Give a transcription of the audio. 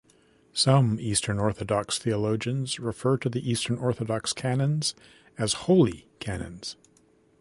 Some Eastern Orthodox theologians refer to the Eastern Orthodox canons as "holy canons".